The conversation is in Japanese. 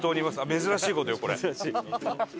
珍しい事よこれ。